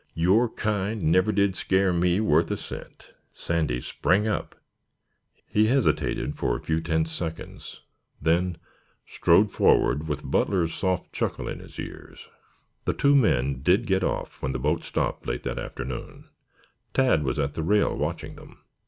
Your kind never did scare me worth a cent." Sandy sprang up. He hesitated for a few tense seconds, then strode forward with Butler's soft chuckle in his ears. The two men did get off when the boat stopped late that afternoon. Tad was at the rail watching them.